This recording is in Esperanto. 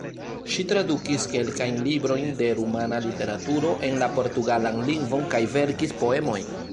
Ŝi tradukis kelkajn librojn de rumana literaturo en la portugalan lingvon kaj verkis poemojn.